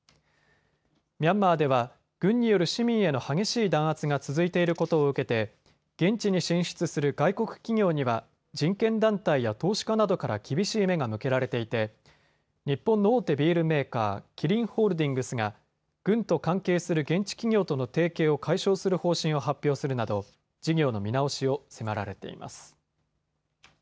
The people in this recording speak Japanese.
ミャンマーでは軍による市民への激しい弾圧が続いていることを受けて現地に進出する外国企業には人権団体や投資家などから厳しい目が向けられていて日本の大手ビールメーカー、キリンホールディングスが軍と関係する現地企業との提携を解消する方針を発表するなど事業の見直しを迫られています。